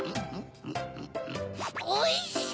おいしい！